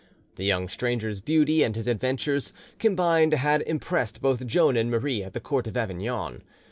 The young stranger's beauty and his adventures combined had impressed both Joan and Marie at the court of Avignon.